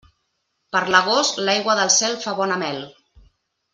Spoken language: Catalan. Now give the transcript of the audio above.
Per l'agost, l'aigua del cel fa bona mel.